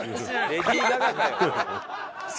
レディー・ガガかよ。